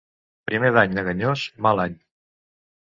Primer d'any lleganyós, mal any.